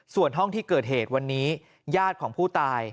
ส่วนห้องที่เกิดเหตุวันนี้ญาติของผู้ตาย